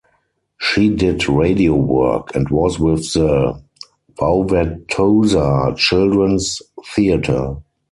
She did radio work and was with the Wauwatosa Children's Theatre.